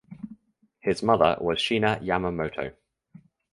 His mother was Shina Yamamoto.